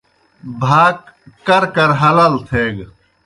بھاک کر کر حلال تھیگہ۔